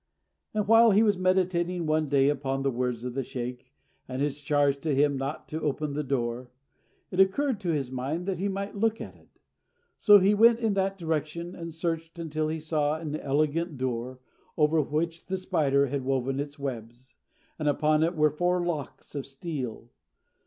And while he was meditating one day upon the words of the sheykh, and his charge to him not to open the door, it occurred to his mind that he might look at it. So he went in that direction, and searched until he saw an elegant door, over which the spider had woven its webs, and upon it were four locks of steel.